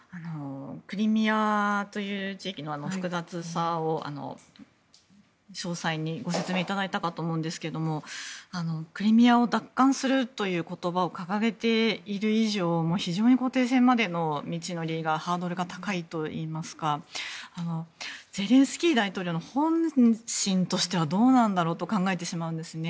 クリミアという地域の複雑さを詳細にご説明いただいたかと思うんですがクリミアを奪還するという言葉を掲げている以上非常に停戦までの道のりハードルが高いといいますかゼレンスキー大統領の本心はどうなんだろうと考えてしまうんですね。